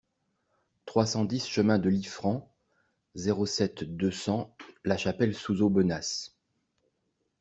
trois cent dix chemin de Liffrand, zéro sept, deux cents, Lachapelle-sous-Aubenas